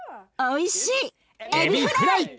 おいしい。